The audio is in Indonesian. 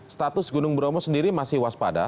status gunung bromo sendiri masih waspada